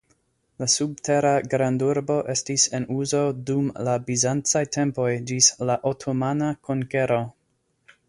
La subtera grandurbo estis en uzo dum la bizancaj tempoj ĝis la otomana konkero.